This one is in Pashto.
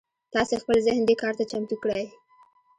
تاسې خپل ذهن دې کار ته چمتو کړئ.